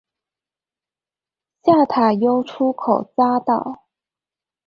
下塔悠出口匝道